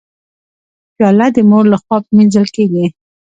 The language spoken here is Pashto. پیاله د مور لخوا مینځل کېږي.